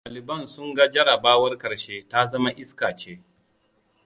Daliban sun ga jarrabawar karshe ta zama iska ce.